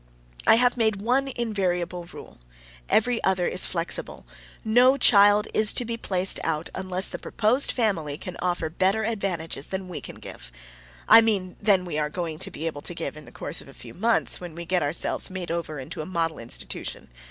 I have made one invariable rule every other is flexible. No child is to be placed out unless the proposed family can offer better advantages than we can give. I mean than we are going to be able to give in the course of a few months, when we get ourselves made over into a model institution.